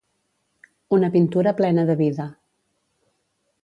Una pintura plena de vida.